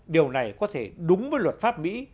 điều này có thể đúng với luật pháp mỹ